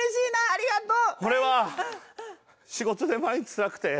ありがとう。